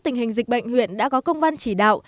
tình hình dịch bệnh huyện đã có công văn chỉ đạo